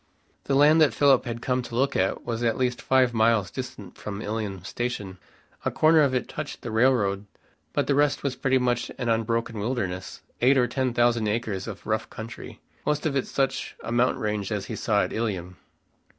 The land that Philip had come to look at was at least five miles distant from Ilium station. A corner of it touched the railroad, but the rest was pretty much an unbroken wilderness, eight or ten thousand acres of rough country, most of it such a mountain range as he saw at Ilium.